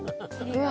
うわ。